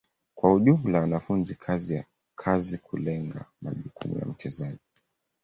Kwa ujumla wanafanya kazi kulenga majukumu ya mchezaji.